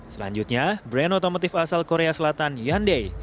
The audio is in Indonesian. selanjutnya brand otomotif asal korea selatan hyundai